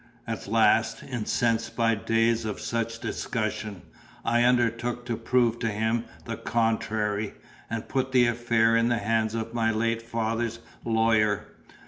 At last, incensed by days of such discussion, I undertook to prove to him the contrary, and put the affair in the hands of my late father's lawyer.